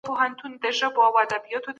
هغوی په ټولنه کې فعال دي.